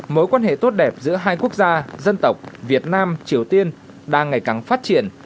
mối quan hệ tốt đẹp giữa hai quốc gia dân tộc việt nam triều tiên đang ngày càng phát triển